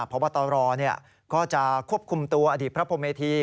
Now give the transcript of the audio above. พบตรก็จะควบคุมตัวอดีตพระพรหมเมธี